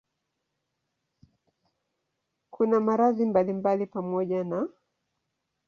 Kuna maradhi mbalimbali pamoja na